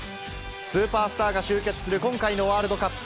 スーパースターが集結する今回のワールドカップ。